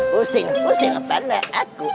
pusing pusing pandai aku